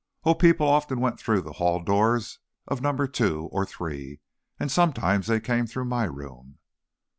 "Oh, people often went through the hall doors of number two or three, and sometimes they came through my room."